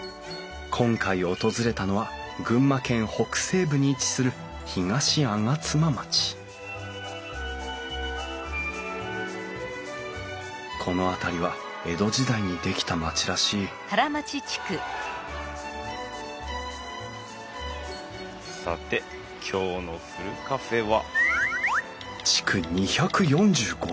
今回訪れたのは群馬県北西部に位置する東吾妻町この辺りは江戸時代に出来た町らしいさて今日のふるカフェは。